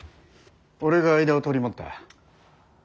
俺が間を取り持った。